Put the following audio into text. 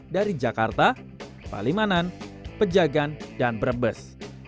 dari jakarta palimanan pejagan dan brebes